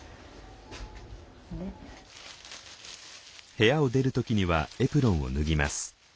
部屋を出る時にはエプロンを脱ぎます。